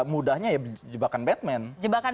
mudahnya ya jebakan batman jebakan